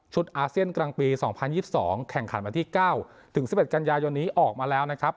อาเซียนกลางปี๒๐๒๒แข่งขันวันที่๙ถึง๑๑กันยายนนี้ออกมาแล้วนะครับ